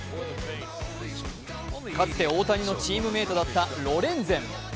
かつて大谷のチームメートだったロレンゼン。